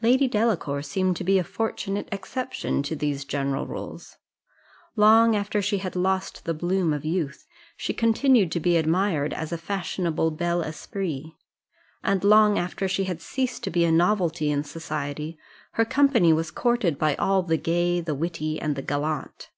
Lady Delacour seemed to be a fortunate exception to these general rules: long after she had lost the bloom of youth, she continued to be admired as a fashionable bel esprit; and long after she had ceased to be a novelty in society, her company was courted by all the gay, the witty, and the gallant.